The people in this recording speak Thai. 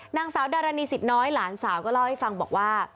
นางสาวดารณีสิทธิน้อยหลานสาวก็เล่าให้ฟังบอกว่า